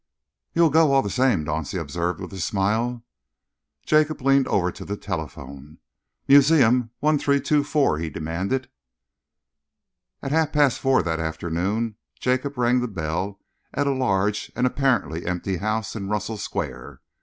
"You'll go, all the same," Dauncey observed, with a smile. Jacob leaned over to the telephone. "Museum 1324," he demanded. At half past four that afternoon, Jacob rang the bell at a large and apparently empty house in Russell Square.